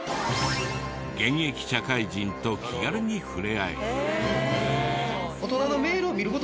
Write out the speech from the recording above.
現役社会人と気軽にふれあえる。